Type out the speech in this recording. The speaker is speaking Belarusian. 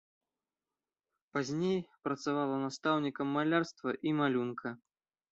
Пазней працавала настаўнікам малярства і малюнка.